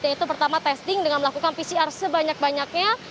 yaitu pertama testing dengan melakukan pcr sebanyak banyaknya